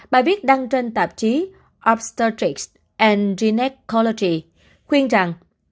bài viết đăng trên tạp chí obstetrics and gynecology khuyên rằng